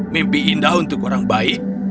mimpi indah untuk orang baik